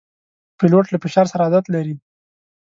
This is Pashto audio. پیلوټ له فشار سره عادت لري.